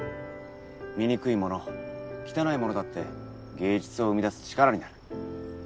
醜いもの汚いものだって芸術を生み出す力になる。